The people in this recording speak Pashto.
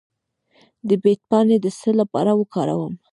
د بید پاڼې د څه لپاره وکاروم؟